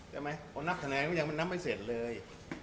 ใช่ไหมคนนับคะแนนมันยังไม่นับให้เสร็จเลย